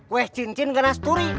weh cincin nggak nasturi